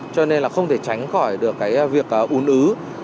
cho nên không thể tránh khỏi việc ồn ứ